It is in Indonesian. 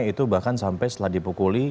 itu bahkan sampai setelah dipukuli